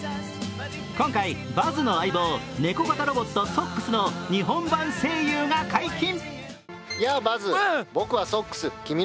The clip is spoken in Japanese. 今回、バズの相棒、猫型ロボットソックスの日本版声優が解禁。